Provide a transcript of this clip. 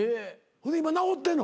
ほんで今治ってんの？